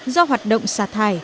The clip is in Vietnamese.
do hoạt động xà thải